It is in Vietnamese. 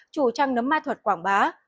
chủ trang nấm ma thuật quảng bá